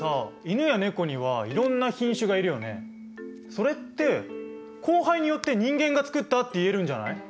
それって交配によって人間が作ったって言えるんじゃない？